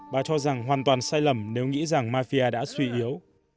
bà cho rằng hoàn toàn sai lầm nếu nghĩ rằng mafia đã suy yếu